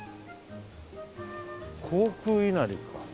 航空稲荷か。